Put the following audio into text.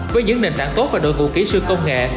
với những nền tảng tốt và đội ngũ kỹ sư công nghệ